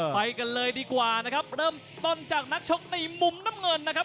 ไปกันเลยดีกว่านะครับเริ่มต้นจากนักชกในมุมน้ำเงินนะครับ